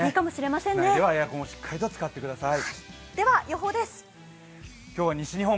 室内ではエアコンをしっかり使ってください。